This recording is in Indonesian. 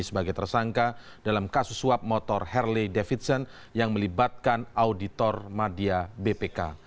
sebagai tersangka dalam kasus suap motor harley davidson yang melibatkan auditor media bpk